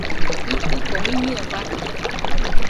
Jitɨko miñɨe fate